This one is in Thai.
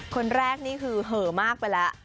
คนแรกนี่คือเหอะมากไปแล้ว